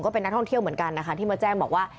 เป็นนักท่องเที่ยวเหมือนกันนะคะที่มาแจ้งบอกว่า